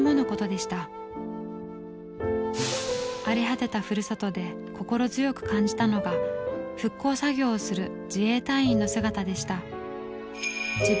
荒れ果てたふるさとで心強く感じたのが復興作業をする自衛隊員の姿でした。